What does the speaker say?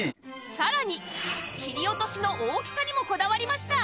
さらに切り落としの大きさにもこだわりました